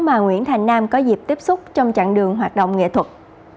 mà nguyễn thành nam có dịp tiếp xúc trong chặng đường hoạt động nghệ thuật